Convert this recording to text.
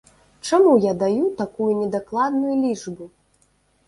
Чаму я даю такую недакладную лічбу?